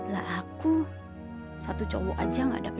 lah aku satu cowoknya yang kaya dia ya